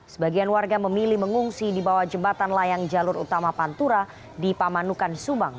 sebagian warga memilih mengungsi di bawah jembatan layang jalur utama pantura di pamanukan subang